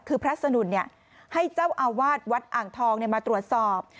คือพระสนุนให้เจ้าอาวาสวัดอ่างทองมาตรวจสอบ